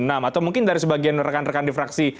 atau mungkin dari sebagian rekan rekan di fraksi